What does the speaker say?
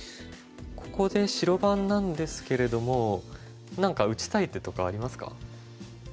ここで白番なんですけれども何か打ちたい手とかありますか？